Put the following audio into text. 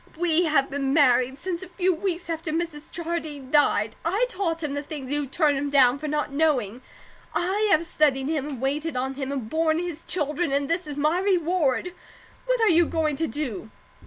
"We have been married since a few weeks after Mrs. Jardine died. I taught him the things you turned him down for not knowing; I have studied him, and waited on him, and borne his children, and THIS is my reward. What are you going to do?"